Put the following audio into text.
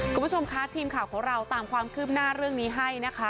คุณผู้ชมคะทีมข่าวของเราตามความคืบหน้าเรื่องนี้ให้นะคะ